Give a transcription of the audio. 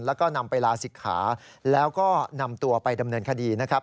แล้วก็นำไปลาศิกขาแล้วก็นำตัวไปดำเนินคดีนะครับ